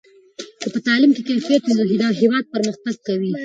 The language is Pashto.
که په تعلیم کې کیفیت وي نو هېواد پرمختګ کوي.